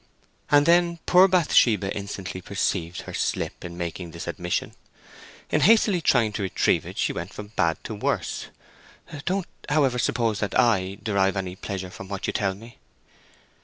And then poor Bathsheba instantly perceived her slip in making this admission: in hastily trying to retrieve it, she went from bad to worse. "Don't, however, suppose that I derive any pleasure from what you tell me."